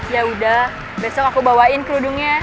yaudah besok aku bawain kerudungnya